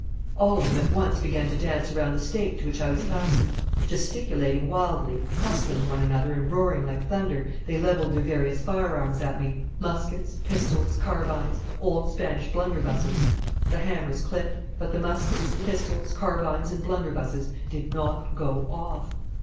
"All of them at once began to dance around the stake to which I was fastened. Gesticulating wildly, hustling one another and roaring like thunder, they levelled their various firearms at me: muskets, pistols, carbines, old Spanish blunderbusses. The hammers clicked. But the muskets, pistols, carbines, and blunderbusses did not go off!